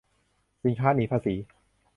สินค้าหนีภาษี